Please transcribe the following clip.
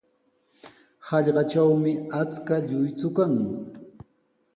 Hallqatrawmi achka lluychu kan.